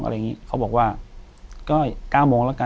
กุมารพายคือเหมือนกับว่าเขาจะมีอิทธิฤทธิ์ที่เยอะกว่ากุมารทองธรรมดา